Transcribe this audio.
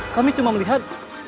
kami cuma melihat